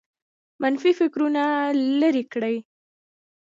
منفي فکرونه لرې کړئ